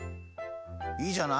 いいじゃない？